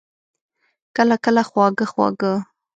کله، کله خواږه، خواږه